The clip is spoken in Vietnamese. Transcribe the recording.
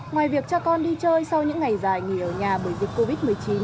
ngoài việc cho con đi chơi sau những ngày dài nghỉ ở nhà bởi dịch covid một mươi chín